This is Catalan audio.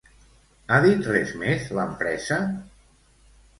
Ha dit res més l'empresa?